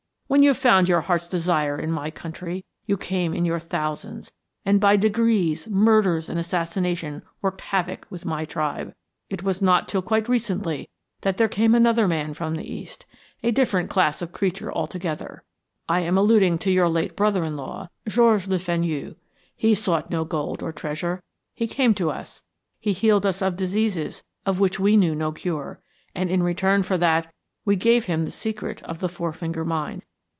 When you found your heart's desire in my country, you came in your thousands, and by degrees murders and assassination worked havoc with my tribe. It was not till quite recently that there came another man from the East, a different class of creature altogether. I am alluding to your late brother in law, George Le Fenu. He sought no gold or treasure; he came to us, he healed us of diseases of which we knew no cure. And in return for that we gave him the secret of the Four Finger Mine.